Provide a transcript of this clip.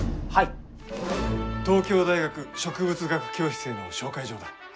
東京大学植物学教室への紹介状だ。